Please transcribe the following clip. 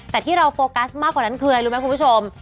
แต่ที่เราโฟกัสมากกว่านั้นคืออะไรรู้ไหมคุณผู้ชม